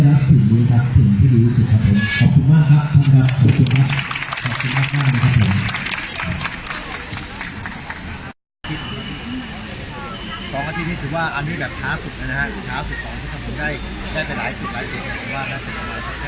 ระวังให้สิ่งที่ผมทำแน็ตรีชีวิตของบุนหมาย